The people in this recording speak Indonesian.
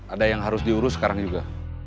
ada yang harus diurus sekarang juga